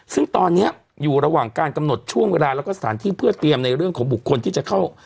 ซึ่งตอนนี้อยู่ระหว่างการกำหนดช่วงเวลาแล้วก็สถานที่เพื่อเตรียมในเรื่องของบุคคลที่จะเข้า